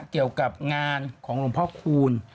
เกี่ยวกับงานของหลวงพ่อคูณ